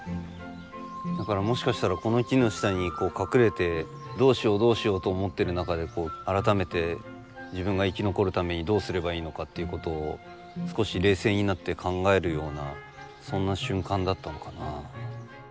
だからもしかしたらこの木の下に隠れてどうしようどうしようと思ってる中で改めて自分が生き残るためにどうすればいいのかっていうことを少し冷静になって考えるようなそんな瞬間だったのかな。